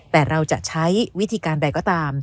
แต่เราจะใช้วิธีการใดก็ตาม